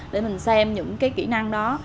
để mình xem những kỹ năng đó